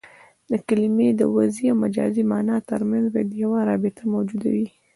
د کلمې د وضعي او مجازي مانا ترمنځ باید یوه رابطه موجوده يي.